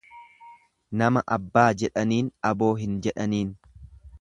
Nama abbaa jedhaniin aboo hin jedhaniin.